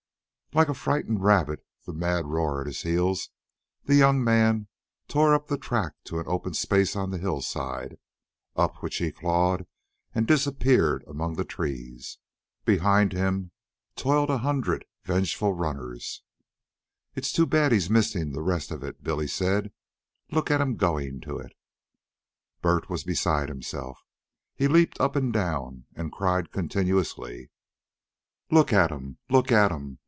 Like a frightened rabbit, the mad roar at his heels, the young man tore up the track to an open space on the hillside, up which he clawed and disappeared among the trees. Behind him toiled a hundred vengeful runners. "It's too bad he's missing the rest of it," Billy said. "Look at 'em goin' to it." Bert was beside himself. He leaped up and down and cried continuously. "Look at 'em! Look at 'em!